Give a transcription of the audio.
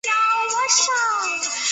明日书数语于堂侧壁间绝高处。